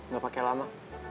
gak pake lama